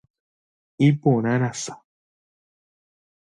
Iporãrasa.